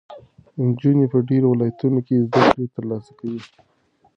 نجونې په ډېرو ولایتونو کې زده کړې ترلاسه کوي.